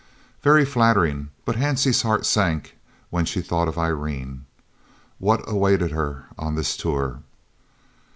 Very flattering, but Hansie's heart sank when she thought of Irene. What awaited her on this tour?